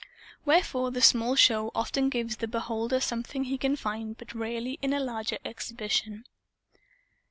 Wherefore the small show often gives the beholder something he can find but rarely in a larger exhibition.